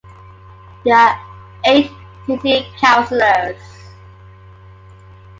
There are eight city councilors.